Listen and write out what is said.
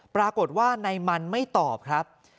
ปรากฏว่านายมันไม่ตอบครับ